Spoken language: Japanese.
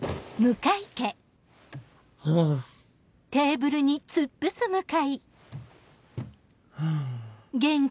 ハァ。ハァ。